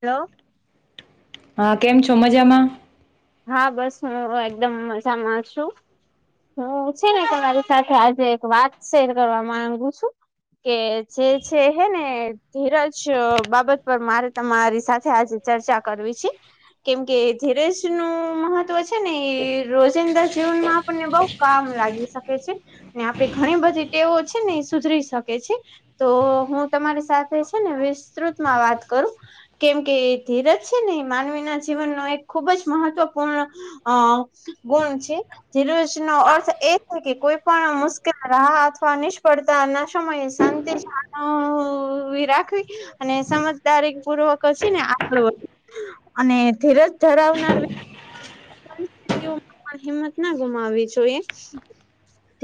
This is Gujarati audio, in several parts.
હેલો. હા, કેમ છો મજામાં? હા, બસ હું એકદમ મજામાં છું. હું છે ને તમારી સાથે આજે એક વાત શેર કરવા માંગુ છું. કે જે છે હે ને ધીરજ બાબત મારે તમારી સાથે આજે ચર્ચા કરવી છે, કેમ કે ધીરેજ નું મહત્વ છે ને એ રોજિંદા જીવન માં આપણને બઉ કામ લાગી શકે છે. ને આપડી ઘણી બધી તેવું છે ને એ સુધરી શકે છે. તો હું તમારી સાથે છે ને વિસ્તૃતમાં વાત કરું. કેમ કે એ ધીરજ છે ને એ માનવીના જીવનનો એક ખૂબ જ મહત્વપૂર્ણ અ ગુણ છે. ધીરજ નો અર્થ એ છે કે કોઈ પણ મુશ્કેલ અથવા નિષ્ફળતા ના સમયે શાંતિ રાખવી અને સમજદારી પૂર્વક જ છે ને આપણું અને ધીરજ ધરાવનાર પણ હિંમત ના ગુમાવી જોઈએ.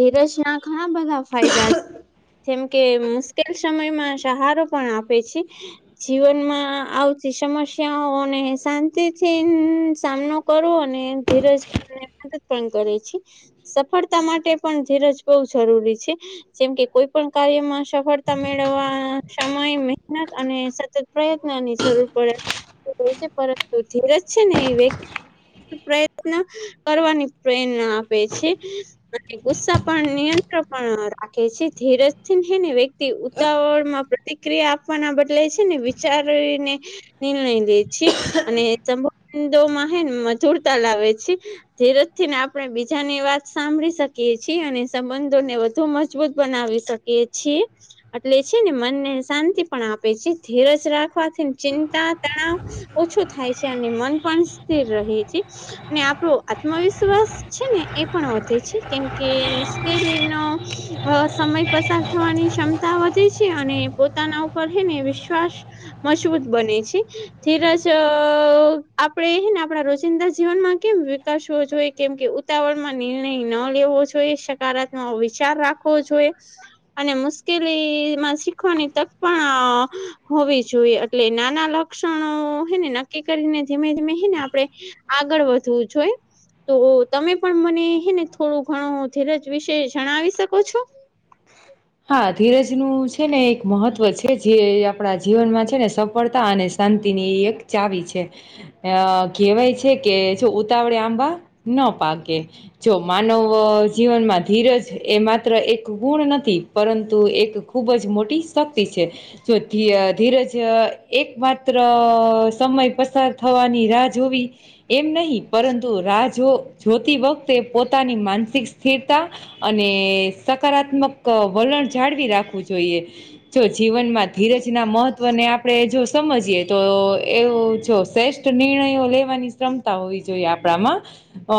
ધીરજ ના ઘણા બધા ફાયદા છે. જેમ કે મુશ્કેલ સમયમાં સહારો પણ આપે છે. જીવનમાં આવતી સમસ્યાઓ અને શાંતિ થીન સામનો કરવો અને ધીરજ મદ પણ કરે છે. સફળતા માટે પણ ધીરજ બહ જરૂરી છે. જેમ કે કોઈ પણ કાર્યમાં સફળતા મેળવવા સમય, મહેનત અને સતત પ્રયત્ન ની જરૂર પડે. હોય છે પરંતુ ધીરજ છે ને એ વ્ય પ્રયત્ન કરવાની પ્રેરણા આપે છે. અને ગુસ્સા પણ નિયંત્ર પણ રાખે છે, ધીરજથી હેને વ્યક્તિ વાતાવરણમાં પ્રતિક્રિયા આપવાના બદલે છે ને વિચારીને નિર્ણય લે છે અને સંબંધોમાં હેન મથુરતા લાવે છે. ધીરજ થી ને આપણે બીજાની વાત સાંભળી શકીએ છીએ અને સંબંધોને વધુ મજબૂત બનાવી શક એ છે. એટલે છે ને મનને શાંતિ પણ આપે છે ધીરજ રાખવાથી ચિંતા, તણાવ ઓછો થાય છે અને મન પણ સ્થિર રહે છે અને આપણો આત્મવિશ્વાસ છે ને એ પણ વધે છે, કેમ કે મુશ્કેલીનો અ સમય પસાર થવાની ક્ષમતા વધે છે અને પોતાના ઉપર છેને વિશ્વાસ મજબૂત બને છે. ધીરજ અ આ આપણે એને આપણા રોજિંદા જીવનમાં કેમ વિકસવો જોઈએ કેમ કે ઉતાવળમાં નિર્ણય ન લેવો જોઈએ, શ સકારાત્મ વિચાર રાખવો જોઈએ. અને મુશ્કેલીમાં શીખવાની તક પણ હોવી જોઈએ. એટલે નાના લક્ષણો હેને નક્કી કરીને જેમે હ ને આપડે આગળ વધવું જોઈ. તો તમે પણ મને હે ને થોડું ઘણો ધીરજ વિશે જણાવી શકો છો [inaudible] હા ધીરજ નું છે ને એક મહત્વ છે જે આપડા જીવનમાં છે ને સફળતા અને શાંતિની એક ચાવી છે અ કહેવાય છે કે જો ઉતાવળે આંબા ન પાકે જો માનવ જીવનમાં ધીરજ એ માત્ર એક ગુણ નથી પરંતુ એક ખૂબ જ મોટી શક્તિ છે જો ધિઅ ધીરજ એક માત્ર સમય પસાર થવાની રાહ જોવી એમ નહીં પરંતુ રાહ જો જોતી વખતે પોતાની માનસિક સ્થિરતા અને સકારાત્મક વલણ જાળવી રાખવું જોઈએ જો જીવનમાં ધીરજના મહત્વને આપડે જો એવું જો શ્રેષ્ઠ નિર્ણયો લેવાની ક્ષમતા હોવી જોઈએ આપડા માં અ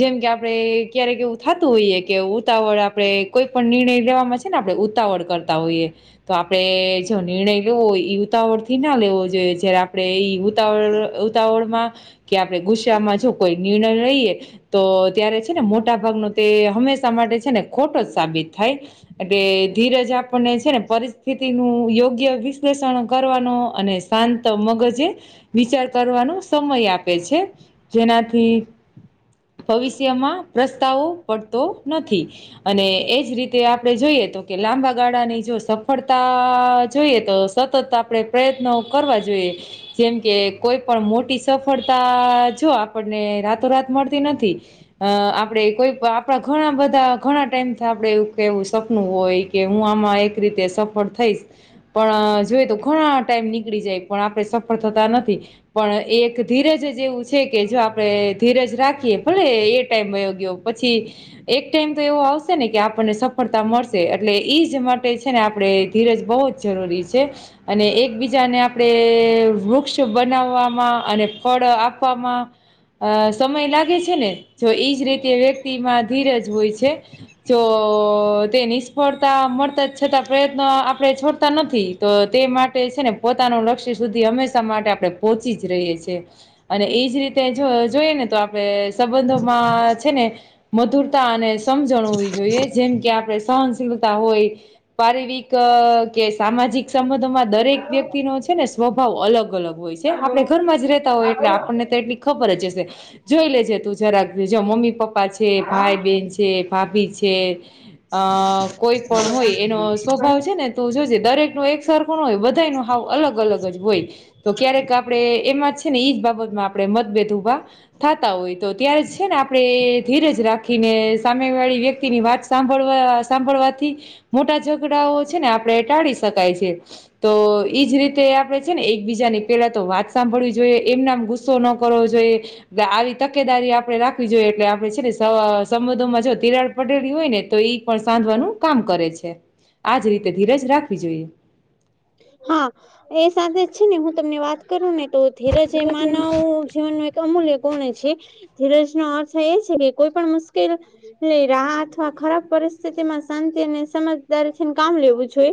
જેમ કે આપડે ક્યારેક એવું થતું હોઈએ કે ઉતાવળ આપડે કોઈ પણ નિર્ણય લેવામાં છે ને આપડે ઉતાવળ કરતા હોઈએ તો જો નિર્ણય લેવો હોય યુવતા વથી ના લેવો જોઈએ ક્યારે આ પડે ઉતાવળ ઉતાવળમાં કે આપડે ગુસ્સામાં જો કોઈ નિર્ણય લઈએ તો ત્યારે છે ને મોટા ભાગનો તે હંમેશા માટે છે ને ખોટો જ સાબિત થાય એટલે ધીરજ આપણને છે ને પરિસ્થિતિ નું યોગ્ય વિશ્લેષણ કરવાનો અને શાંત મગજે વિચાર કરવાનો સમય આપે છે. જેનાથી, ભવિષ્યમાં પ્રસ્તાવો પડતો નથી અને, એ જ રીતે આપડે જોઈએ તો કે લાંબા ગાળાની જો સફળતા જોઈએ તો સતત આપડે પ્રયત્નો કરવા જોઈએ. જેમ કે કોઈ પણ મોટી સફળતા જો આપણને રાતોરાત મળતી નથી. અ આપડે કોઈ આપડા ઘણા બધા ઘણા ટાઈમ આપડે એવું કેવું સપનું હોય કે હું આમાં એક રીતે સફળ થઈશ. પણ જોઈ તો ઘણા ટાઈમ નીકળી જાય પણ આપડે સફળ થતા નથી પણ એક ધીરજ જ એવું છે કે જો આપડે ધીરજ રાખીએ ભલે એ ટાઈમ વયો ગયો. પછી એક ટાઈમ તો એવું આવ શે ને કે આપણને સફળતા મળશે એટલે એજ માટે છે ને આપડે ધીરજ બહુ જ જરૂરી છે. અને એકબીજાને આપડે વૃક્ષ બનાવવામાં અને ફળ આપવામાં, અ સમય લાગે છે ને જો એજ રીતે વ્યક્તિમાં ધીરજ હોય છે. તો તે નિષ્ફળતા મળતા છતાં પ્રયત્નો આપડે નથી. તો તે માટે છે ને પોતાનું લક્ષ્ય સુધી હંમેશા માટે આપડે પોહોંચી જ રહીએ છે અને એજ રીતે જો જોઈએ ને તો આપડે સંબંધોમાં છે ને, મધુરતા અને સમજણ હોવી જોઈએ જેમ કે આપડે સહનશીલતા હોય. પારરિવક કે સામાજિક સંબંધોમાં દરેક હલો વ્યક્તિ નો છે ને સ્વભાવ અલગ અલગ હોય છે. કે હલો આપડે ઘરમાં જ રેહતા હોય હા એટલે બોલો આપણને તો એટલી ખબર જ હશે. જોઈ લેજે તું જરાક જો મમ્મી પપ્પા છે, ભાઈ હા બેહેન છે, ભાભી છે. છે અ કોઈ પણ હોય એનો સ્વભાવ છે ને દરેક નુ એક સરખું નો હોય બધા નુ હાવ અલગ અલગ જ હોય, તો ક્યારેક આપડે એમાં છે ને એજ બાબતમાં આપડે મતભેદ ઉભા થાતા હોય તો ત્યારે છે ને આપડે ધીરજ રાખીને સામે વાળી વ્યક તીની વાત સાંભળવા સાંભળવાથી મોટા ઝઘડાઓ છે ને આપડે ટાળી શકાય છે. તો ઈજ રીતે આપડે છે ને એકબીજાની પેલા તો વાત સાંભળવી જોઈએ એમ નામ ગુસ્ સો ન કરવો જોઈએ. આવી તકેદારી આપડે રાખવી જોઈએ એટલે આપણે છે ને સંબંધોમાં જો તિરાડ, [unintelligible] હોય ને તો એ પણ સાંધવાનું કામ કરે છે, આજ રીતે ધીરજ રાખવી જોઈએ. હા એ સાથે જ છે ને હું તમને વાત કરું ને તો, ધીરજ એ માનવ જીવન નું એક અમૂલ્ય ગુણ છે. ધીરજ નો અર્થ એ છે કે કોઈ પણ મુશ્કેલ, રાહ અથવા ખરાબ પરિસ્થિતિ માં શાંતિ અને સમજદારી ને કામ લેવું જોઈ.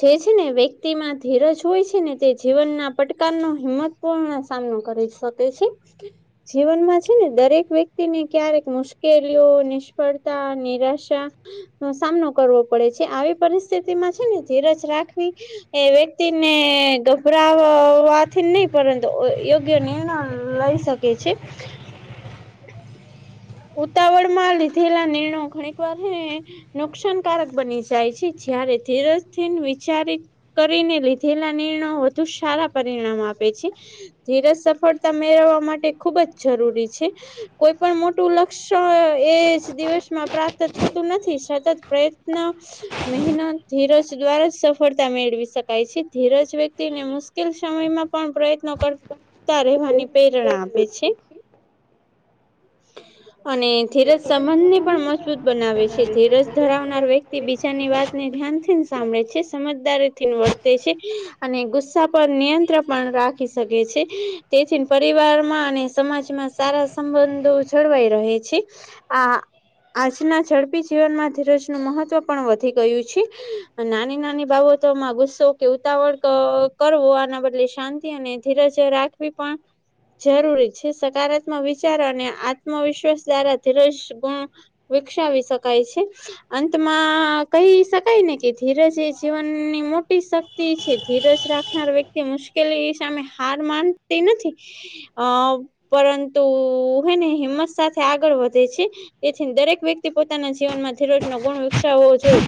જે છે ને વ્યક્તિમાં ધીરજ હોય છે ને તે જીવનના પટકાર ન હિંમત, પુણ સામનો કર સકે છે. જીવનમાં છે ને દરેક વ્યક્તિને ક્યારેક મુશ્કેલીઓ, નિષ્ફળતા, નિરાશા, નો સામનો કરવો પડે છે આવી પરિસ્થિતિમાં છે ને ધીરજ રાખવી, એ વ્યક્તિને ગભરાવાથી નહી પરંતુ યોગ્ય નિર્ણય લઈ શકે કે છે. ઉતાવળ માં લીધેલા નિર્ણયો ઘણીક વાર છે ને, નુકસાનકારક બની જાય છે જયારે ધીરજથીન વિચારી ન, કરીને લીધેલા નિર્ણયો વધુ સારા પરિણામ આપે છે. ધીરજ સફળતા મેળવવા માટે ખુબ જ જરૂરી છે કોઈ પણ મો મોટું લક્ષણ એજ દિવસમાં પ્રાપ્ત થતું નથી સતત પ્રયત્ન મહેનત ધીરજ દ્વારા સફળતા મેળવી શકાય છે ધીરજ વ્યક્તિ ને મુ શકિલ સમયમાં પણ પ્રયત્નો કરતા રહેવાની પ્રેરણા આપે છે. અને ધીરજ સંબંધને પણ મજબૂત બનાવે છે ધીરજ ધરાવનાર વ્યક્તિ તે બીજાની વાતને ધ્યાનથીન સાંભળે છે સમજદારી થીન વર્તે છે. અને ગુસ્સા પર નિયંત્ર પણ રાખી શકે છે તેથી પરિવારમાં અને સમાજમાં. સારા સંબંધો જળવાઈ રહે છે આ. આજના ઝડપી જીવનમાં ધીરજનું મહત્વ પણ વધી ગયું છે. નાની નાની બાબતોમાં ગુસ્સો કે ઉતાવળ તો કરવો આના બદલે શાંતી અને ધીરજ રાખ. ખ્વી પણ જરૂરી છે. સકારાત્મક વિચારો અને આ આત્મવિશ્વાસ દ્વારા ધીરજ ગુણ વિકસાવી શકાય છે. અંતમાં કહી શકાય ને કે ધીરજ એ જીવનની મોટી શક્ તી છે ધીરજ રાખનાર વ્યક્તિ મુશ્કેલી સામે હાર માનતી નથી અ પરંતુ હે, ને. હિંમત સાથે આગળ વધે છે તેથી દરેક વ્યક્તિ પોતાના જીવનમાં. ધીરજનો ગુણ વિકસાવો જોઈએ.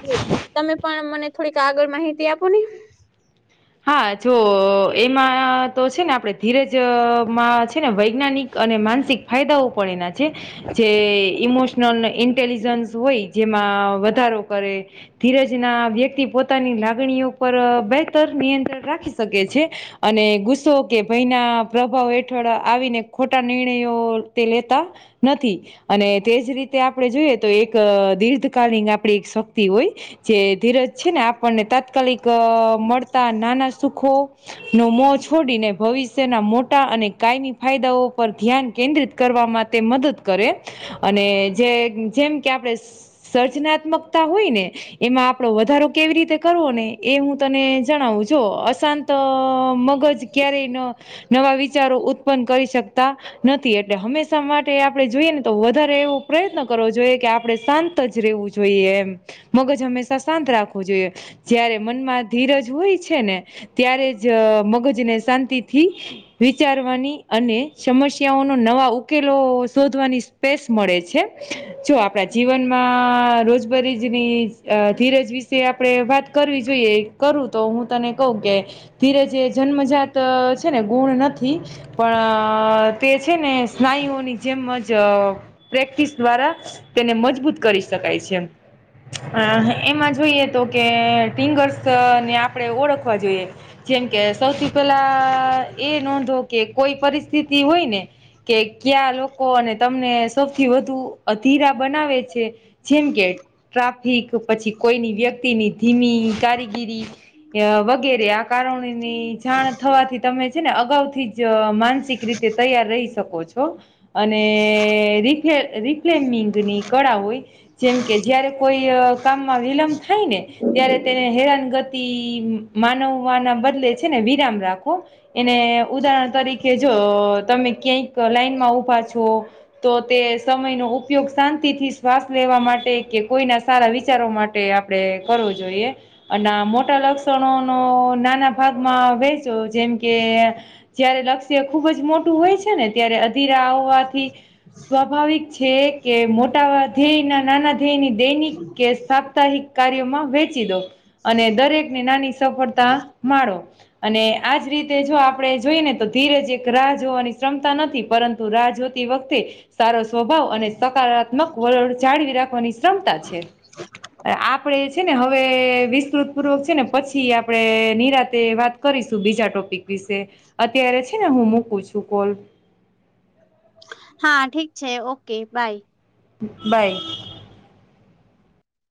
તમે પણ મને થોડીક આગળ માહિતી આપો ને. હા જો એમાં તો છે ને આપણેે ધીરજમાં છે ને વૈજ્ઞાનિક. અને માનસિક ફાયદાઓ પણ એના છે. જે ઈમોશનલ ને ઇન્ટેલિજન્સ હોય જેમાં વધારો કરે. ધીરજ ના વ્યક્તિ પોતાની લાગણીઓ પર બેહેતર નિયંત્રણ રાખી શકે છે. અને ગુસ્સો કે ભયના પ્રભાવ હેઠળ આવીને ખોટા નિર્ણયો તે લેતા. નથી. અને તેજ રીતે આપણે જોઈએ તો એક દીર્ધકાલીન આપણી એક શક્તિ હોય. જે ધીરજ છે ને આપણને તાત્કાલિક મળતા નાના સુખો. નો મોહ છોડીને ભવિષ્યના મોટા અને કાયમી ફાયદાઓ પર ધ્યાન કેન્દ્રિત કરવા માટે. તે મદદ કરે અને જે જેમ કે આપણે. સર્જનાત્મકતા હોય ને એમાં આપડો વધારો કેવી રીતે કરવો ને એ હું તને. જણાવું જો અશાંત મગજ ક્યારેય ન નવા વિચારો ઉત્પન્ન કરી શકતા નથી એટલે હંમેશા માટે આપણે જોઈએ ને તો વધારે એવો પ્રયત્ન કરવો જોઈએ કે આપણે શાંત ત જ રહેવું જોઈએ એમ મગજ હંમેશા શાંત રાખવું જોઈએ. જ્યારે મનમાં ધીરજ હોય જ. છે ને ત્યારે જ અ મગજને શાંતિથી વિચારવાની અને સમસ્યાઓનો નવા ઉકેલો શોધવાની સ્પેસ મળે છે. જો આપણા જીવનમાં રોજબરીજની ધીરજ વિશે આપણે વાત કરવી જોઈએ કરું તો હું તને કઉ કે ધીરજ એ જન્મજાત છે ને ગુણ નથી પણ તે છે ને સ્નાયુઓની જેમ જ અ પ્રેક્ટિસ દ્વારા તેને મજબૂત કરીશ. શકાય છે એમ. એમાં જોઈએ તો કે ટિંગર્સ ને આપ આપણે ઓળખવા જોઈએ જેમકે સૌથી પહેલાં એ નોંધો કે કોઈ પરિસ સ્થિતિ હોય ને કે ક્યા લોકો અને તમને સૌથી વધુ અધીરા બનાવે છે. જેમ કે ટ્રાફિક પછી કોઈની વ્યક્તિની ધીમી કારીગીરી કેઅ વગેરે આ કારણોની જાણ થવાથી તમે છે ને અગાઉથી જ માનસિક રીતે તૈયાર રહી શકો છો. અને રિફ્લે રિફ્લેમિંગની કળા હોય જેમ કે જયારે કોઈ અ કામમાં વિલંબ થાય ને ત્યારે તેને હેરાનગતિ તિ માનવવા ના બદલે છે ને વિરામ રાખો એને ઉદાહરણ તરીકે જો તમે ક્યાંક લાઈનમાં ઉભા છો. તો તે સમયનો ઉપયોગ શાંતિથી શ્વાસ લેવા માટે કે કોઈના સારા વિચારો માટ ટે આપણેે કરવું જોઈએ અને આ મોટા લક્ષ ક્ષણોનો નાના ભાગમાં વહેચો જેમ કે જયારે લક્ષ્ય ખુબ જ મોટું હોય છે ને ત્યારે અધીરા આવવાથી સ્વાભાવિક છે કે મોટા ધ્યેય ના નાના ધ્યેયની દૈનિક કે સાપ્તાહિક કાર્યમાં વહેચી દો અને દરેક નાની સફળતા મારો અને આજ રીતે જો આપણે જોઈ ને તો ધીરજ એક રાહ જોવાની ક્ષમતા નથી પરં રાહ જોતી વખતે સારો સ્વભાવ અને સકારાત્મક વલળ જાળવી રાખવાની ક્ષમતા છે. આપડે છે ને હવે વિસ્તૃત પૂર્વક છે ને પછી આપણેે નિરાતે વાત કરીશું બીજા ટોપિક વિશે. અત્યારે છે ને હું મૂકું છું કોલ. હા ઠીક છે ઓકે બાય. બાય.